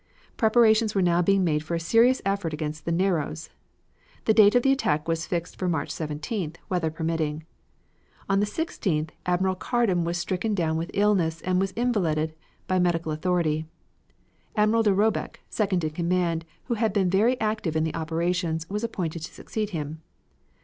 Preparations were now being made for a serious effort against the Narrows. The date of the attack was fixed for March 17th, weather permitting. On the 16th Admiral Carden was stricken down with illness and was invalided by medical authority. Admiral de Roebeck, second in command, who had been very active in the operations, was appointed to succeed him.